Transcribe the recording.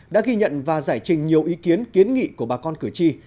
đã ghi nhận và giải trình nhiều ý kiến kiến nghị của bà con cử tri